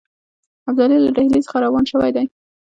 ابدالي له ډهلي څخه روان شوی دی.